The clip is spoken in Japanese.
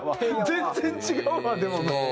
全然違うわでも。